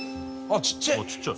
あっちっちゃい。